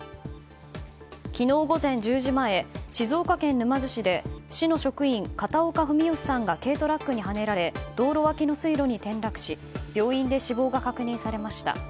昨日午前１０時前静岡県沼津市で市の職員、片岡文芳さんが軽トラックにはねられ道路脇の水路に転落し病院で死亡が確認されました。